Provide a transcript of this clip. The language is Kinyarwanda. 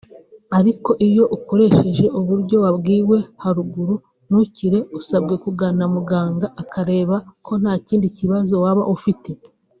Ariko iyo ukoresheje uburyo wabwiwe haruguru ntukire usabwe kugana muganga akareba ko nta kindi kibazo waba ufite